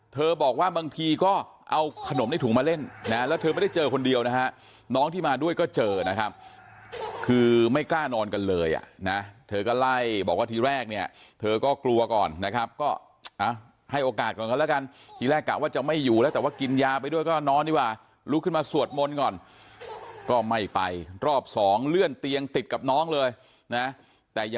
บอกว่าบางทีก็เอาขนมในถุงมาเล่นนะแล้วเธอไม่ได้เจอคนเดียวนะฮะน้องที่มาด้วยก็เจอนะครับคือไม่กล้านอนกันเลยอ่ะนะเธอก็ไล่บอกว่าทีแรกเนี่ยเธอก็กลัวก่อนนะครับก็ให้โอกาสก่อนกันแล้วกันทีแรกกะว่าจะไม่อยู่แล้วแต่ว่ากินยาไปด้วยก็นอนดีกว่าลุกขึ้นมาสวดมนต์ก่อนก็ไม่ไปรอบสองเลื่อนเตียงติดกับน้องเลยนะแต่อย่า